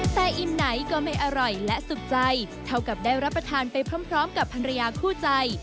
แต่อิ่มไหนก็ไม่อร่อยและสุดใจเท่ากับได้รับประทานไปพร้อมกับภรรยาคู่ใจ